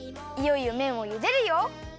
いよいよめんをゆでるよ！